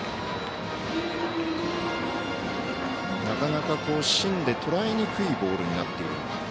なかなか、芯でとらえにくいボールになっているのか。